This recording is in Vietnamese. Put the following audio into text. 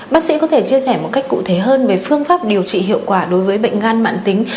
bác sĩ có thể chia sẻ một cách cụ thể hơn về phương pháp điều trị hiệu quả đối với bệnh gan mạng tính